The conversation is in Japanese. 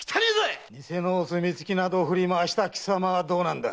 偽のお墨付きなど振り回した貴様はどうなんだ。